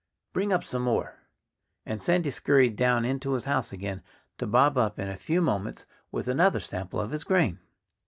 "Bring up some more!" And Sandy scurried down into his house again, to bob up in a few moments with another sample of his grain.